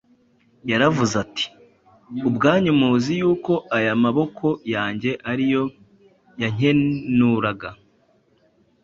Yaravuze ati: “Ubwanyu muzi yuko aya maboko yanjye ari yo yankenuraga